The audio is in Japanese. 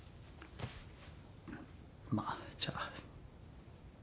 まあじゃあ。